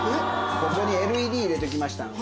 ここにＬＥＤ入れときましたんで。